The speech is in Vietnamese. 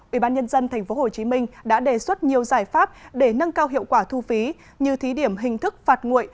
ubnd tp hcm đã đề xuất nhiều giải pháp để nâng cao hiệu quả thu phí như thí điểm hình thức phạt nguội